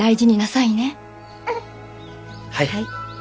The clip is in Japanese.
はい。